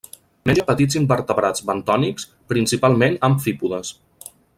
Menja petits invertebrats bentònics, principalment amfípodes.